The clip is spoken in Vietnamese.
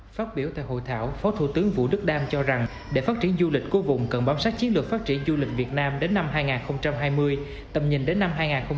phát biểu tại hội thảo phó thủ tướng vũ đức đam cho rằng để phát triển du lịch của vùng cần bám sát chiến lược phát triển du lịch việt nam đến năm hai nghìn hai mươi tầm nhìn đến năm hai nghìn ba mươi